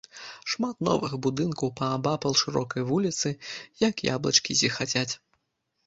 Шмат новых будынкаў паабапал шырокай вуліцы, як яблычкі зіхацяць.